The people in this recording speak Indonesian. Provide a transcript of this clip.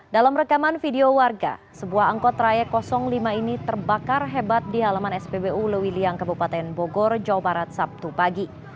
dalam rekaman video warga sebuah angkot trayek lima ini terbakar hebat di halaman spbu lewiliang kabupaten bogor jawa barat sabtu pagi